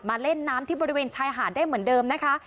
เล่นน้ำที่บริเวณชายหาดได้เหมือนเดิมนะคะ